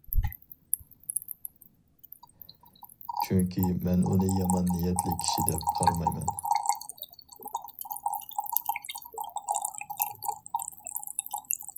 چۈنكى مەن ئۇنى يامان نىيەتلىك كىشى دەپ قارىمايمەن.